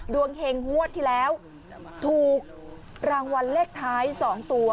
ดวงเฮงหัวที่แล้วถูกรางวัลเลขท้ายสองตัว